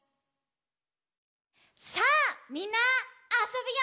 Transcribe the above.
さあみんなあそぶよ！